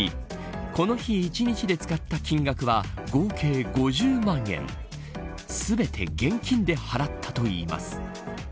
この日一日で使った金額は合計５０万円全て、現金で払ったといいます。